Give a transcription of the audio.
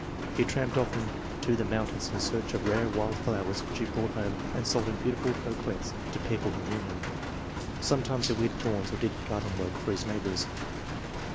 He tramped often to the mountains in search of rare wild flowers which he brought home and sold in beautiful bouquets to people who knew him. Some times he weeded lawns or did garden work for his neighbors.